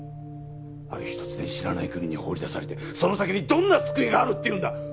ある日突然知らない国に放り出されてその先にどんな救いがあるっていうんだ！？